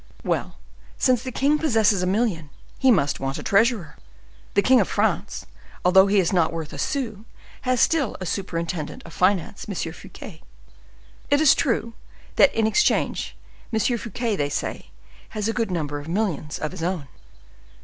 "Well, since the king possess a million, he must want a treasurer. The king of France, although he is not worth a sou, has still a superintendent of finance, M. Fouquet. It is true, that, in exchange, M. Fouquet, they say, has a good number of millions of his own."